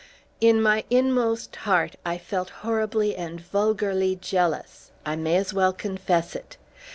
In my inmost heart I felt horribly and vulgarly jealous. I may as well confess it.